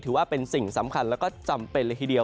ถือว่าเป็นสิ่งสำคัญแล้วก็จำเป็นเลยทีเดียว